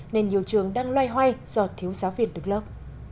nên nhiều trường đang loay hoay do thiếu giáo viên đứng lớp